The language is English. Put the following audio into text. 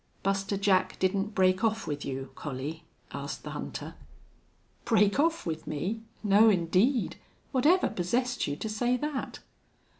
"Buster Jack didn't break off with you, Collie?" asked the hunter. "Break off with me!... No, indeed! Whatever possessed you to say that?"